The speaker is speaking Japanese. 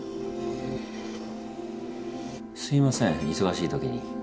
すいません忙しいときに。